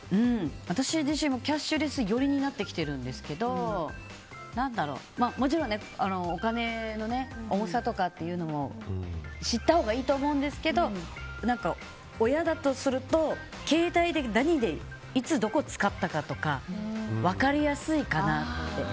私自身もキャッシュレス寄りになってきてるんですけどもちろんお金の重さとかっていうのも知ったほうがいいと思うんですけど親だとすると携帯でいつどこで使ったかとか分かりやすいかなって。